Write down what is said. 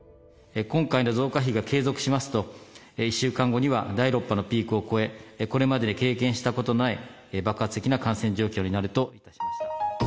今回の増加比が継続しますと、１週間後には第６波のピークを超え、これまでに経験したことのない、爆発的な感染状況になると。